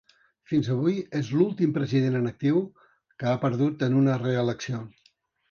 Fins avui, és l'últim president en actiu que ha perdut en una reelecció.